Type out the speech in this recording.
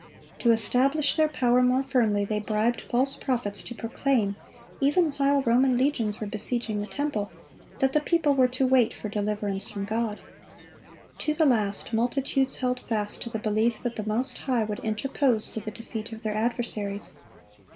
To establish their power more firmly, they bribed false prophets to proclaim, even while Roman legions were besieging the temple, that the people were to wait for deliverance from God. To the last, multitudes held fast to the belief that the Most High would interpose for the defeat of their adversaries.